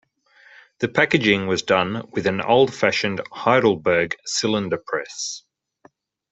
The packaging was done with an old fashioned Heidelberg Cylinder Press.